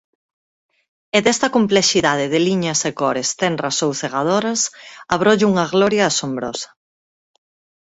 E desta complexidade de liñas e cores, tenras ou cegadoras, abrolla unha gloria asombrosa.